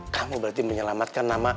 kamu berarti menyelamatkan nama